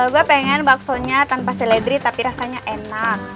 gue pengen baksonya tanpa seledri tapi rasanya enak